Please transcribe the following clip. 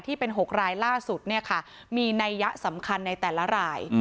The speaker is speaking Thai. ที่เป็น๖รายล่าสุดมีนัยยะสำคัญในแต่ละราย